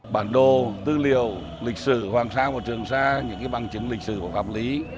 bản đồ tư liệu lịch sử hoàng sa và trường sa những bằng chứng lịch sử và pháp lý